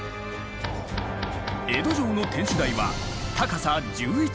江戸城の天守台は高さ１１ｍ。